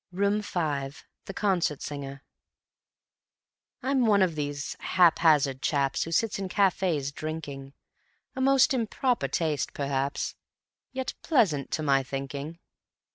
_ Room 5: The Concert Singer I'm one of these haphazard chaps Who sit in cafes drinking; A most improper taste, perhaps, Yet pleasant, to my thinking.